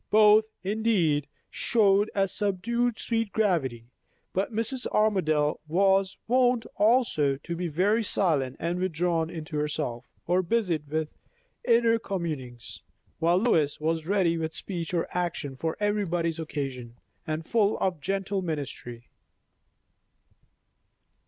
Both, indeed, showed a subdued sweet gravity; but Mrs. Armadale was wont also to be very silent and withdrawn into herself, or busied with inner communings; while Lois was ready with speech or action for everybody's occasions, and full of gentle ministry.